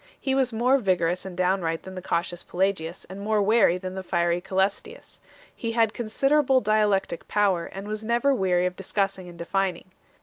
He was more vigorous and downright than the cautious Pelagius and more wary than the fiery Cselestius 1 . He had considerable dialectic power, and was never weary of discussing and defining.